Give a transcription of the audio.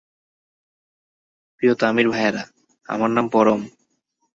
প্রিয় তামিঢ় ভাইয়েরা, আমার নাম পরম।